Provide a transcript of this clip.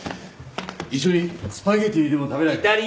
一緒にスパゲティでも食べないか？